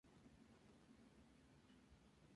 Es originario de India hasta Ceilán y Tailandia.